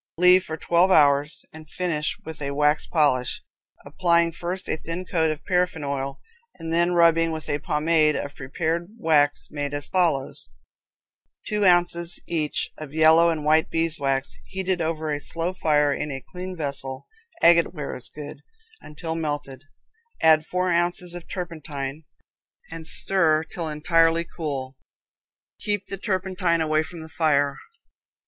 Leave for 12 hours and finish with a wax polish, applying first a thin coat of paraffine oil and then rubbing with a pomade of prepared wax made as follows: Two ounces each of yellow and white beeswax heated over a slow fire in a clean vessel (agate ware is good) until melted. Add 4 oz. turpentine and stir till entirely cool. Keep the turpentine away from the fire.